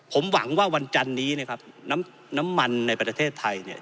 ผมหวังว่าวันจันนี้นะครับน้ำน้ำมันในประเทศไทยเนี่ย